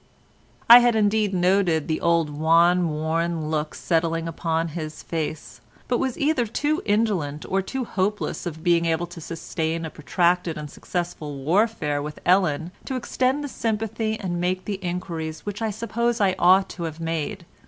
I had indeed noted the old wan worn look settling upon his face, but was either too indolent or too hopeless of being able to sustain a protracted and successful warfare with Ellen to extend the sympathy and make the inquiries which I suppose I ought to have made.